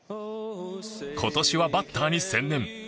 今年はバッターに専念。